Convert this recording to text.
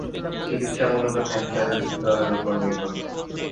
চিকিৎসা মূলত ক্যান্সারের স্তরের উপর নির্ভর করে।